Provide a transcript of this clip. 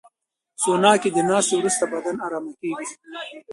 سونا کې د ناستې وروسته بدن ارامه کېږي.